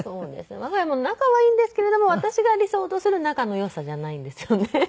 我が家も仲はいいんですけれども私が理想とする仲のよさじゃないんですよね。